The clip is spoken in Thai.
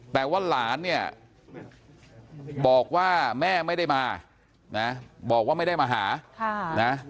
แต่ว่าหลานเนี่ยบอกว่าแม่ไม่ได้มานะบอกว่าไม่ได้มาหานะ